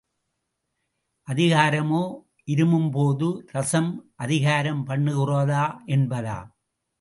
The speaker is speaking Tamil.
அதிகாரமோ! இருமும்போது—ரசம் அதிகாரம் பண்ணுகிறதா—என்பதும்.